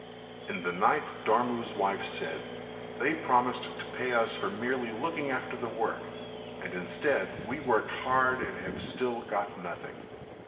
In the night Dharmu's wife said "They promised to pay us for merely looking after the work and instead, we worked hard and have still got nothing.